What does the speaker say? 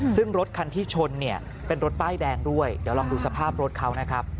ซึ่งรถคันที่ชนเนี่ยเป็นรถป้ายแดงด้วยเดี๋ยวลองดูสภาพรถเขานะครับ